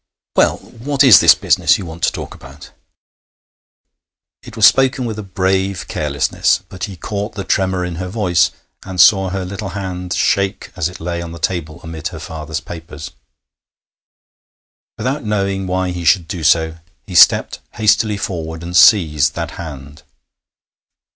'Well, what is this business you want to talk about?' It was spoken with a brave carelessness, but he caught the tremor in her voice, and saw her little hand shake as it lay on the table amid her father's papers. Without knowing why he should do so, he stepped hastily forward and seized that hand.